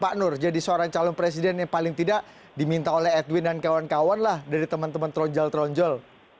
pak nur jadi seorang calon presiden yang paling tidak diminta oleh edwin dan kawan kawan lah dari teman teman tronjol tronjol